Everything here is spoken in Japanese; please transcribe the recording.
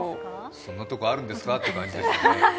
そんなとこあるんですかって感じですね。